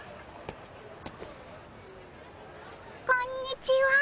こんにちは。